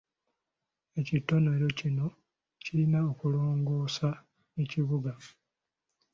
Ekitonole kino kirina okulongoosa ekibuga.